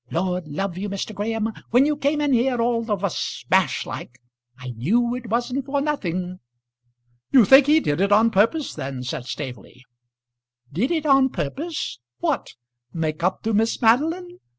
Lord love you, Mr. Graham, when you came in here all of a smash like, I knew it wasn't for nothing." "You think he did it on purpose then," said Staveley. "Did it on purpose? What; make up to Miss Madeline?